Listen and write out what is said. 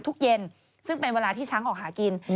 เย็นซึ่งเป็นเวลาที่ช้างออกหากิน